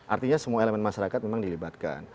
artinya semua elemen masyarakat memang dilibatkan